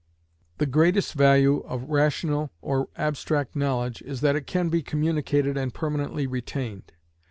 The greatest value of rational or abstract knowledge is that it can be communicated and permanently retained.